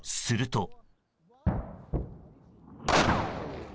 すると。